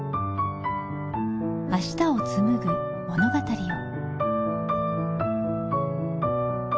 明日をつむぐ物語を。